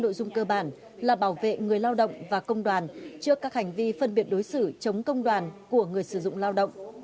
nội dung cơ bản là bảo vệ người lao động và công đoàn trước các hành vi phân biệt đối xử chống công đoàn của người sử dụng lao động